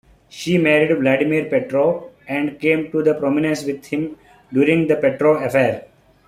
She married Vladimir Petrov, and came to prominence with him during the Petrov Affair.